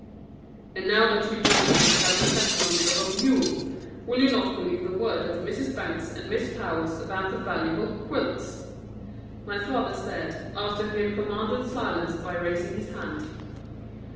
"And now that you gentlemen have the testimony of a mule, will you not believe the word of Mrs. Bangs and Miss Powers about the valuable quilts?" my father said, after he had commanded silence by raising his hand.